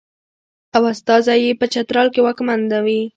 او استازی یې په چترال کې واکمن وي.